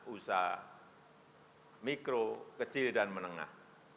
usaha mikro kecil dan menengah